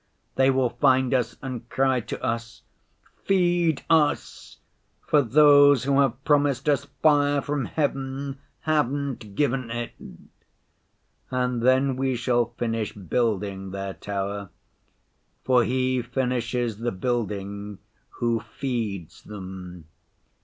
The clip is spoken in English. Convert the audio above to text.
They will find us and cry to us, "Feed us, for those who have promised us fire from heaven haven't given it!" And then we shall finish building their tower, for he finishes the building who feeds them.